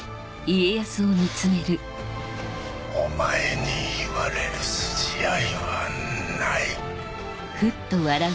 お前に言われる筋合いはない。